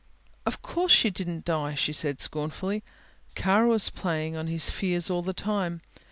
"Of course she didn't die," she said scornfully. "Kara was playing on his fears all the time.